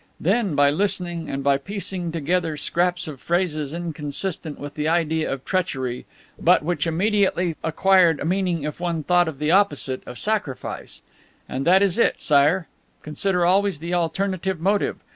Then, by listening and by piecing together scraps of phrases inconsistent with the idea of treachery, but which immediately acquired meaning if one thought of the opposite, of sacrifice. Ah, that is it, Sire! Consider always the alternative motive.